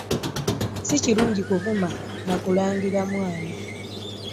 Sikirungi kuvuma nakulangira mwana.